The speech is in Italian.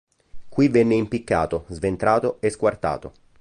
Qui venne impiccato, sventrato e squartato.